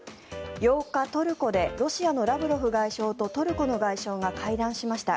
８日、トルコでロシアのラブロフ外相とトルコの外相が会談しました。